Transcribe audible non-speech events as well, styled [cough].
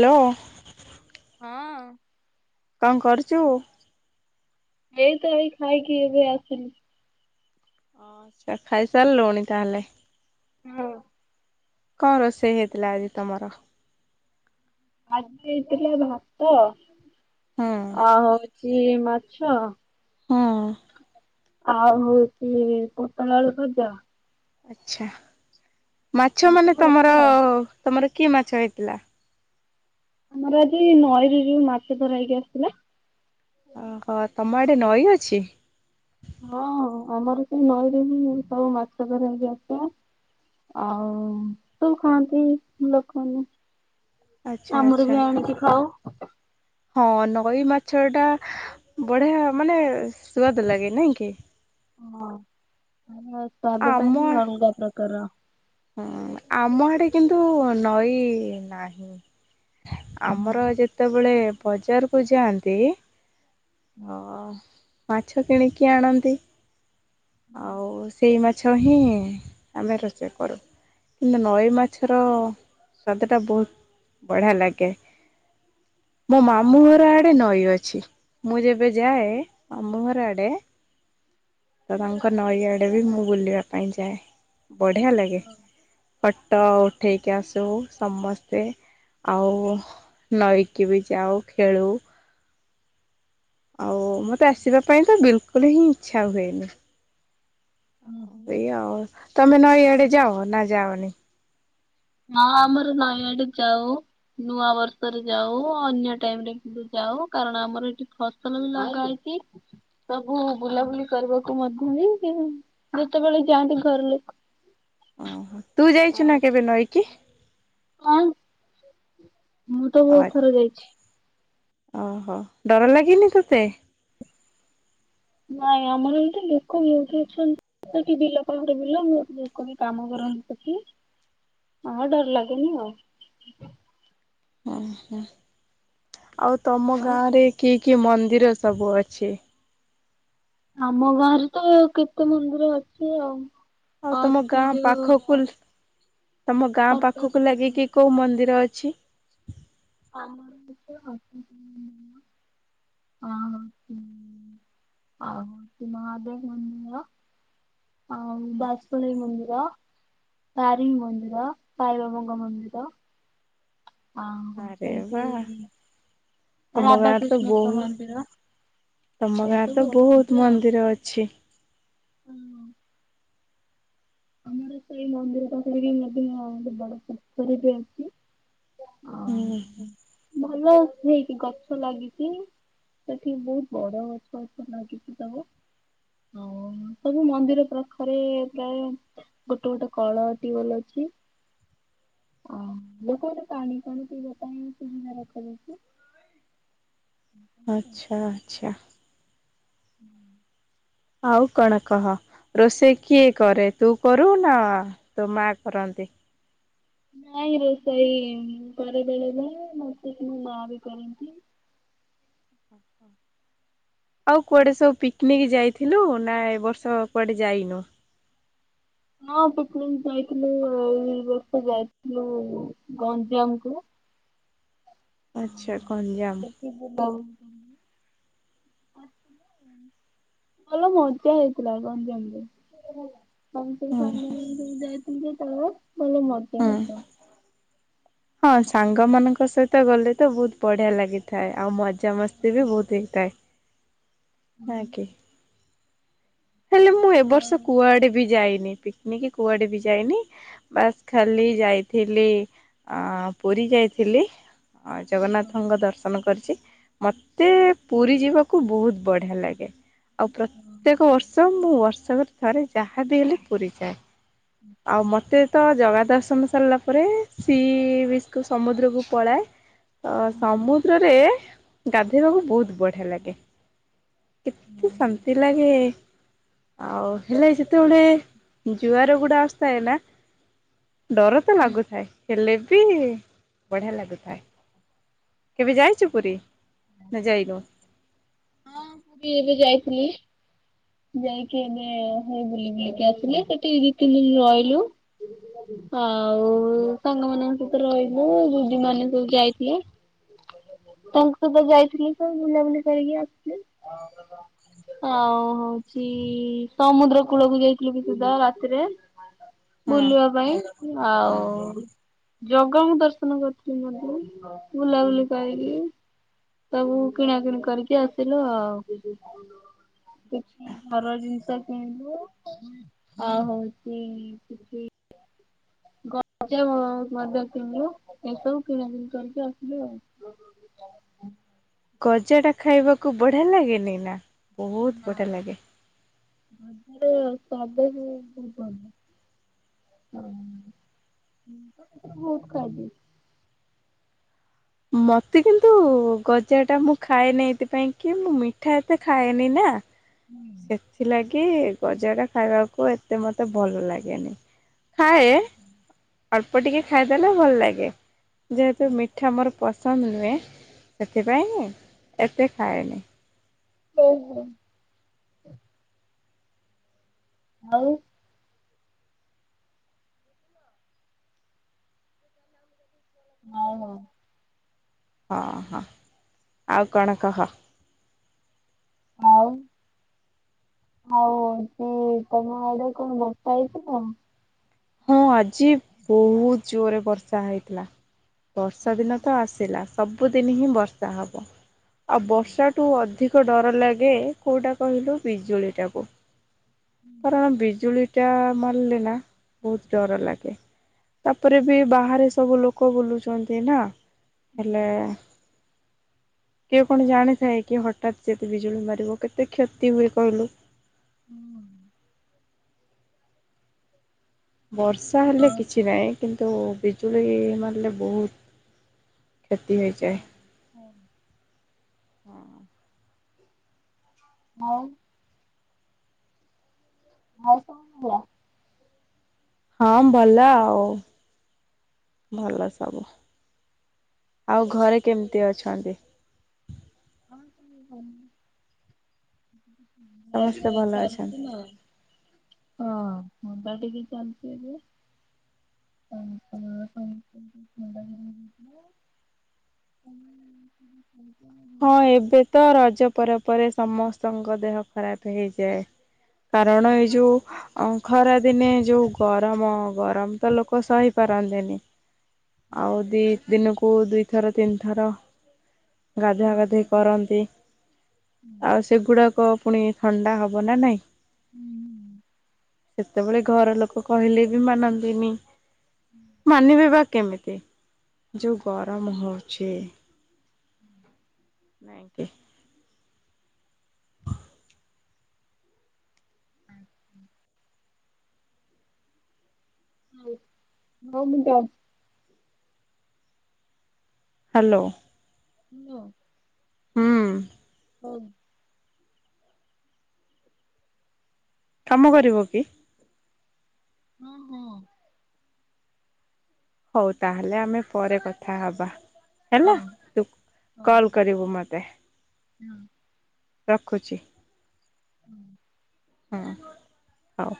Hello. ହଁ। କଣ କରୁଚୁ? ଏଇ ତ ଏଇ ଖାଇକି ଏବେ ଆସିଲି। ଆଚ୍ଛା ଖାଇସାରିଲୁଣି ତାହେଲେ। ମୁଁ। କଣ ରୋଷେଇ ହେଇଥିଲା ଆଜି ତମର? ଆଜି ହେଇଥିଲା ଭାତ ହୁଁ ଆଉ ହୋଉଚୀ ମାଛ। ହଁ। ଆଉ ହଉଚି ପୋଟଳ ଆଳୁ ଭଜା। ଆଛା ମାଛ ଏଇ ମାନେ ସବୁ ହେଇଥିଲା ଆଉ। ତମର କି ମାଛ ହେଇଥିଲା? ଆମର ଆଜି ନଈରୁ ଯୋଉ ମାଛ ଧରାହେଇକି ଆସିଥିଲା। ଓହୋ ତମ ଆଡେ ନଈ ଅଛି? ହଁ ଆମର ସେ ନଈରେ ହିଁ ସବୁ ମାଛ ଧରୁ ଛନ୍ତି ଆସୁନ। ଆଉ ସବୁ ଖାଆନ୍ତି ଲୋକମାନେ। ଆଛା ଆମର ଆଚ୍ଛା ବି ଆଣିକି ଖାଉ। ହଁ ନଈ ମାଛ ଟା ବଢିଆ ମାନେ ସୁଆଦ ଲାଗେ ନାଇଁ କି? ହଁ ସ୍ୱାଦ ଆମ ଟାଇ ହିଁ ଅଲ୍ଗା ପ୍ରକାର। ହୁଁ ଆମ ଆଡେ କିନ୍ତୁ ନଈ ନାହିଁ। ଆମର ହଁ। ଯେତେବେଳେ ବଜାରକୁୁ ଯାଆନ୍ତି। ଓ ମାଛ କିଣିକି ଆଣନ୍ତି ଆଉ ସେଇ ମାଛ। ମାଛ ହିଁ ଆମେ ରୋଷେଇ କରୁ କିନ୍ତୁ ନଈ ମାଛ। ର ସ୍ୱାଦଟା ବହୁତ୍ ବଢ଼ିଆ ଲାଗେ। ମୋ ମାମୁଁ ହୁଁ। ଘର ଆଡେ ନଈ ଅଛି ମୁଁ ଯେବେ ଯାଏ ମାମୁଁ ଘର ଆଡେ ତ ତାଙ୍କ ନଈଆଡ଼େ ବି ମୁଁ ବୁଲିବା ପାଇଁ ଯାଏ। ବଢିଆ ଲାଗେ ଫଟ ଉଠେଇକି ଆସୁ ସମସ୍ତେ। ଆଉ ନଈକି ବି ଯାଉ ଖେଳୁ। ଆଉ ମୋତେ ଆସିବା ପାଇଁ ତ ବିଲକୁଲ ହିଁ ଇଚ୍ଛା ହୁଏନି। ହୁଁ ଏଇ ଆଉ ତମେ ନଈ ଆଡେ ଯାଅ ନା ଯାଅନି? ହଁ ଆମର ନଇ ଆଡେ ଯାଉ। ନୂଆ ବର୍ଷରେ ଯାଉ ଅନ୍ୟ ଟାଇମରେ ଯାଉ କାରଣ ଆମର ଏଠି ଖ ସବୁ ଲଗାହେଇଛି ସବୁ ବୁଲାବୁଲି କରିବାକୁ ମଧ୍ୟ ଯେତେବେଳେ ଯାଆନ୍ତି ଘର ଲୋକ। ଓହୋ ତୁ ଯାଇଛୁ ନା କେବେ ନଈକି? ହାଁ ମୁଁ ତ ବହୁତ ଥର ଯାଇଛି। ଓହୋ ଡର ଲାଗିନି ତୋତେ? ନାଇଁ ଆମର ଏଇତ ଲୋକ ବହୁତ ଅଛନ୍ତି। ସେଠି ବିଲ ପାଖରେ ବିଲ ମୁ ଲୋକ ବି କାମ କରନ୍ତି ସେଠି। ହଁ ଡର ଲାଗେନି ଆଉ ହୁଁ ହୁଁ ଆଉ ତମ ଆଉ ଗାଁରେ କି କି ମନ୍ଦିର ସବୁ ଅଛି? ଆମ ଗାଁରେ ତ କେତେ ମନ୍ଦିର ଅଛି ଆଉ? ଆଉ ତମ ଅଛି ଗାଁ ଯୋଉ ପାଖ କୁଲ ତମ ଗାଁ ପାଖକୁ ସପ୍ତଶୃଙ୍ଗୀ ଲାଗିକି କୋଉ ମନ୍ଦିର ଅଛି? ଆମ। [unintelligible] ଆଉ ମହାଦେବ ମନ୍ଦିର। ଅଁ ବାସୁଳେଇ ମନ୍ଦିର। ତାରିଣୀ ମନ୍ଦିର ସାଇବାବା ମନ୍ଦିର। ଓହୋ ଆରେ କେମତି ବା ତମ ଗାଁରେ ତ ବହୁ ରାଧାକୃଷ୍ଣଙ୍କ ମନ୍ଦିର। ତମ ଗାଁରେ ଏସବୁ ତ ଅଛନ୍ତି ବହୁତ ମନ୍ଦିର ଅଛି। ହୁଁ। ଆମର ସେଇ ମନ୍ଦିର ପାଖରେ ବି ମଧ୍ୟ ବଡ ପୋଖରୀ ଟେ ଅଛି। ଆଉ ହୁଁ ହୁଁ। ଭଲ ହେଇକି ଗଛ ଲାଗିଛି। ସେଠି ବହୁତ ବଡ ଗଛ ଗଛ ଲାଗିଛି ସବୁ। ଓ ସବୁ ମନ୍ଦିର ପାଖରେ ପ୍ରାୟ ଗୋଟେ ଗୋଟେ କଳ ଟିିୱେଲ ଅଛି। ଓ ଲୋକମାନେ ପାଣି ଫାଣି ପିଇବା ପାଇଁ ସୁବିଧା ରଖାଯାଉଛି। ଆଛା ଆଛା। ହୁଁ। ଆଉ କଣ କହ? ରୋଷେଇ କିଏ କରେ ତୁ କରୁ ନା ତୋ ମା କରନ୍ତି? ନାଇଁ ରୋଷେଇ ମୁଁ କରେ ବେଳେବେଳେ ନଚେତ ମୋ ମା ବି କରନ୍ତି। ଆଛା। ଆଉ କୁଆଡେ ସବୁ ପିକିନିକି ଯାଇଥିଲୁ ନା ଏ ବର୍ଷ କୁଆଡେ ଯାଇନୁ? ହଁ ପିକନିକ ଯାଇଥିଲୁ ଏ ବର୍ଷ ଯାଇଥିଲୁ ଗଞ୍ଜାମ କୁ। ଆଚ୍ଛା ଗଞ୍ଜାମ। [inaudible] ଭଲ ମଜା ହେଇଥିଲା, ଗଞ୍ଜାମ ରେ। ଆମେ ସବୁ ହୁଁ ସାଙ୍ଗ ମାନେ ସବୁ ଯାଇଥିଲୁ ଯେତବେଳେ, ଭଲ ମଜା ହୁଁ ହଉଥ। ହଁ, ସାଙ୍ଗ ମାନଙ୍କ ସହିତ ଗଲେ ତ, ବହୁତ ବଢିଆ ଲାଗେ। ଥାଏ, ଆଉ ମଜାମସ୍ତି ବି ବହୁତ ହେଇଥାଏ। ହଁ କି। ହେଲେ ମୁଁ ଏବ ବର୍ଷ ଆଉ କୁଆଡେ ବି ଯାଇନି? ପିକନିକ୍ କୁଆଡେ ବି ଯାଇନି? ବାସ୍ ଖାଲି ଯାଇଥିଲି, ଅଁ ପୁରୀ ଯାଇଥିଲି। ଅଁ, ଜଗନ୍ନାଥଙ୍କ ଦର୍ଶନ କରିଚି। ମତେ ପୁରୀ ଯିବାକୁ ବହୁତ ବଢିଆ ଲାଗେ। ଆଉ ପ୍ର ହଁ। କଉ ଅର୍ଶ, ମୁଁ ଅର୍ଷ କରେ ଥରେ ଯାହା ବିି ହେଲେ ପୁରୀ ଯାଏ। ଆଉ ମୋତେ ତ ଜଗା ଦର୍ଶନ ସାରିଲା ପରେ-ଏ ସି ବିସ୍ କୁ ସମୁଦ୍ରକୁ ପଳାଏ। ଅ ସମୁଦ୍ରରେ ରେ ଗାଧେଇବାକୁ ବହୁତ ବଢିଆ ଲାଗେ। କେତେ ଶାନ୍ତି ଲାଗେ! ଗେ, ଆଉ ହେଲେ ସେତେବେଳେ, ଜୁଆର ଗୁଡା ଆସୁ ଥାଏ ନା, ଡର ତ ଲାଗୁଥାଏ। ହେଲେ ବି, ବଢ଼ିଆ ଲାଗୁଥାଏ। କେବେ ଯାଇଛୁ ପୁରୀ, ନା ଯାଇନୁ? ହଁ, ମୁଁ ବି ଏବେ ଯାଇଥିଲି। ଯାଇକି ଏବେ ହେଇ ବୁଲି ବୁଲିକି ଆସିଲେ। ସେଠି ଦି ତିନି ଦିନ ରହିଲୁ। ଆଉ ସାଙ୍ଗ ମାନଙ୍କ ସହିତ ରହିଲୁ। ଜୁଜି ମାନେ ସବୁ ଯାଇଥିଲେ। ତାଙ୍କ ସହିତ ଯାଇଥିଲି ତ, ବୁଲାବୁଲି କରିକି ଆସ୍ ଆଉ ହଉଚି-ଇ ସମୁଦ୍ର କୂଳକୁ ଯାଇଥିଲୁ ବି ସୁଧା ରାତିରେ। ହଁ ବୁଲିବା ପାଇଁ ହଁ ଆଉ-ଉ ଜଗାଙ୍କୁ ଦର୍ଶନ କରିୁଥିଲି ମଧ୍ୟ। ବୁଲାବୁଲି କରିକି ସବୁ କିଣାକିଣି କରିକି ଆସିଲୁ ଆଉ। କିଛି ଘର ଜିନିଷ କିଣିଲୁ-ଉ ଅ ହଉଛି କିଛି ଗଜା ମ-ମଧ୍ୟ କିଣିଲୁ, ଏସବୁ କିଣାକିଣି କରିକି ଆସିଲୁ ଆଉ। ଗଜା ଟା ଖାଇବାକୁ ବଢିଆ ଲାଗେନି ନା? ବହୁତ ବଢିଆ ନାଇଁ। ଲାଗେ। ଗଜାରେ ସବ ହ ବହୁତ ଭଲ। ହଁ ମୁଁ ତ ଗଜା ବହୁତ ଖାଇଦିଏ। ମତେ କିନ୍ତୁ ଗଜା ଟା ମୁଁ ଖାଏନି, ଏଇଥିପାଇଁ କି ମୁଁ ମିଠା ଏତେ ଖାଏନି ନା। ହୁଁ। ସେଥିଲାଗି ଗଜାଟା ଖାଇବାକୁ, ଏତେ ମୋତେ ଭଲ ଲାଗେନି। ଖାଏ, ଅଳ୍ପ ଟିକେ ଖାଇଦେଲେ ଭଲ ଲାଗେ। ଯେହେତୁ ମିଠା ମୋର ପସ୍ ସନ୍ଦ ନୁହେଁ, ସେଥିପାଇଁ ଏତେ ଖାଏନି। ହଉ ହୋ। ଆଉ। ହଉ ହଉ। ହଁ, ହଁ, ଆଉ କଣ କହ? ଆଉ ଆଉ ତୁ ତମ ଆଡେ କଣ ବର୍ଷା ହେଇଥିଲା? ହଁ ଆଜି ବହୁତ ଜୋରରେ ବର୍ଷା ହେଇଥିଲା। ବର୍ଷା ଦିନ ତ ଆସିଲା ସବୁଦିନ ହିଁ ବର୍ଷା ହବ ଆଉ ବର୍ଷା ତୁ ଅଧିକ ଡର ଲାଗେ କୋଉଟା କହିଲୁ ବିଜୁଳିଟାକୁ? କାରଣ ବିଜୁଳିଟା ମାରିଲେ ନା ବହୁତ ଡର ଲାଗେ। ତାପରେ ବି ବାହାରେ ସବୁ ଲୋକ ବୁଲୁଛନ୍ତି ନା ହେଲେ? କିଏ କଣ ଜାଣିଥାଏ କି ହଠାତ୍ ଯେତେ ବିଜୁଳି ମାରିବ କେତେ କ୍ଷତି ହୁଏ କହିଲୁ? ହୁଁ ବର୍ଷା ହେଲେ କିଛି ନାହିଁ କିନ୍ତୁ ବିଜୁଳି ମାରିଲେ ବହୁତ କ୍ଷତି ହୋଇଯାଏ। ହଁ ହଁ। ଆଉ କଣ? ହଁ ଭଲ ଆଉ ଭଲ ସବୁ ଆଉ ଘରେ କେମିତି ଅଛନ୍ତି? ହଁ କ ଆଉ ଚାଲିଛି କଣ? ସମସ୍ତେ ଭଲ ଅଛନ୍ତି ହଁ ମୁଁ ତ ଟିକେ ଚାଲିଛି ଯେ ହୁଁ ହଁ ଏବେ ତ ରଜ ପରେ ପରେ ସମସ୍ତଙ୍କ ଦେହ ଖରାପ ହେଇଯାଏ। କାରଣ ଏଇ ଯୋଉ ଖରାଦିନେ ଯୋଉ ଗରମ ଗରମ ତ ଲୋକ ସହିପାରନ୍ତିନି। ଆଉ ଦି ଦିନକୁ ଦିଇଥର ତିନିଥର ଗାଧୁଆ ଗାଧୋଇ କରନ୍ତି ଆଉ ସେଗୁଡାକ ପୁଣି ଥଣ୍ଡା ହବ ନା ନାଇଁ? ହୁଁ ସେତେବେଳେ ଘର ଲୋକ କହିଲେ ବି ମାନନ୍ତିନି ମାନିବେ ବାକ କେମିତି ଯୋଉ ଗରମ ହଉଛି। ହୁଁ। [unintelligible] [unintelligible] ହ୍ୟାଲୋ। ହାଲୋ। ହୁଁ। ହଁ। କାମ କରିବ କି? ଓହୋ। ହଉ ତାହେଲେ ଆମେ ପରେ କଥା ହବା। ହେଲା ତୁ କଲ କରିବୁ ମତେ? ହୁଁ। ରଖୁଛି। ହୁଁ। ହଁ। ହଉ।